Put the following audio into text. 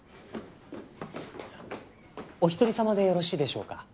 お一人様でよろしいでしょうか？